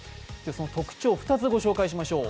その特長、２つご紹介しましょう。